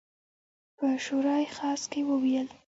په شورای خاص کې وویل.